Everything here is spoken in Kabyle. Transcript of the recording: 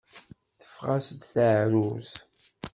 Teffeɣ-as-d teɛrurt.